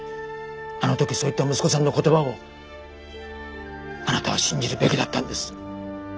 あの時そう言った息子さんの言葉をあなたは信じるべきだったんです。